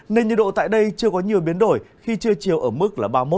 nên nhiệt độ tại đây chưa có nhiều biến đổi khi chưa chiều ở mức ba mươi một đến ba mươi bốn độ